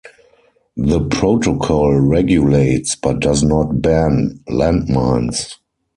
The protocol regulates, but does not ban, land mines.